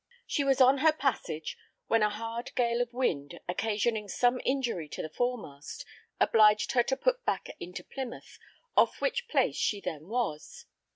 She was on her passage, when a hard gale of wind occasioning some injury to the fore mast, obliged her to put back into Plymouth, off which place she then was.